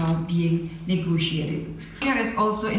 antara indonesia dan rusia dan teks perubahan ini sekarang dilakukan